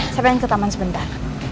saya pengen ke taman sebentar